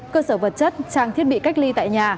cơ sở vật chất trang thiết bị cách ly tại nhà